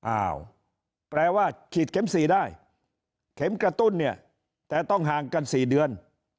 อ้าวแปลว่าฉีดเข็ม๔ได้เข็มกระตุ้นเนี่ยแต่ต้องห่างกัน๔เดือน